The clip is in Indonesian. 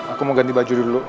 aku mau ganti baju dulu